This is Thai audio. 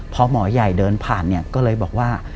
พอหมอใหญ่เดินผ่านเนี่ยก็เลยบอกว่า